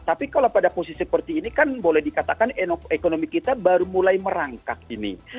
tapi kalau pada posisi seperti ini kan boleh dikatakan ekonomi kita baru mulai merangkak ini